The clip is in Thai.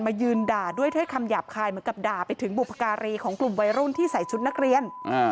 ยืนด่าด้วยถ้อยคำหยาบคายเหมือนกับด่าไปถึงบุพการีของกลุ่มวัยรุ่นที่ใส่ชุดนักเรียน